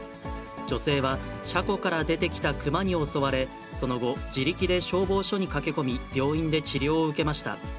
女性は車庫から出てきた熊に襲われ、その後、自力で消防署に駆け込み、病院で治療を受けました。